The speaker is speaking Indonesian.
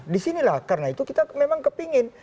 di sinilah karena itu kita memang kepingin